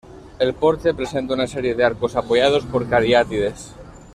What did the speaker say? El porche presenta una serie de arcos apoyados por cariátides.